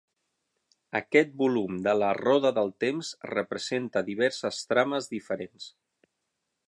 Aquest volum de "La roda del temps" representa diverses trames diferents.